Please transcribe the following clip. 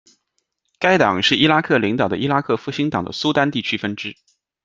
该党是伊拉克领导的伊拉克复兴党的苏丹地区分支。